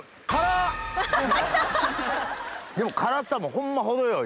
でも辛さもホンマ程よい。